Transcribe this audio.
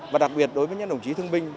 và đặc biệt đối với những đồng chí thương binh